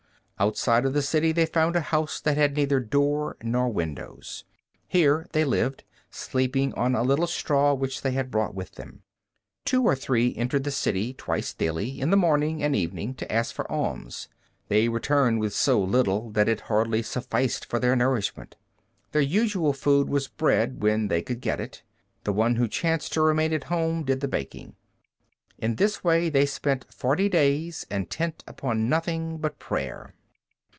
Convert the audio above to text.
Outside of the city they found a house that had neither door nor windows. Here they lived, sleeping on a little straw which they had brought with them. Two of the three entered the city twice daily, in the morning and evening, to ask for alms. They returned with so little that it hardly sufficed for their nourishment. Their usual food was bread, when they could get it. The one who chanced to remain at home did the baking. In this way they spent forty days, intent upon nothing but prayer.